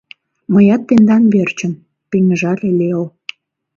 «Мыят тендан верчын», – пеҥыжале Лео.